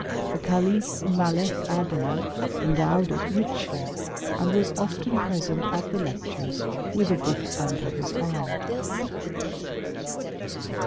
The cahfMalek Adol endowed it richly, and was often present at the lectures with a book under his arm.